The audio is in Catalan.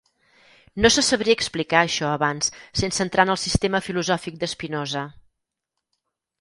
No se sabria explicar això abans sense entrar en el sistema filosòfic de Spinoza.